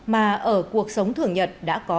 mà ở cuộc sống thường nhật đã có